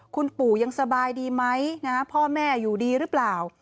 คุณปู่ยังสบายดีไหมพ่อแม่อยู่ดีหรือเปล่า